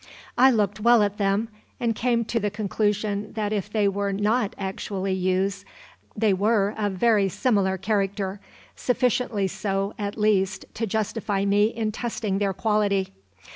I looked well at them, and came to the conclusion that if they were not actually yews they were of very similar character, sufficiently so at least to justify me in testing their quality.